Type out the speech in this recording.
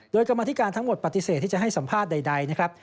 โดยกรรมธิการทั้งหมดปฏิเสธที่จะให้สัมภาษณ์ใดนะครับ